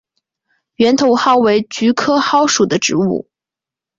圆头蒿为菊科蒿属的植物。